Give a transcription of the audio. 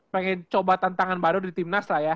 pengen coba tantangan baru di timnas lah ya